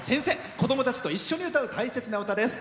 子供たちと一緒に歌う大切な歌です。